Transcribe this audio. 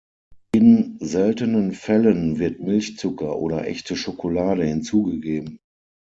In seltenen Fällen wird Milchzucker oder echte Schokolade hinzugegeben.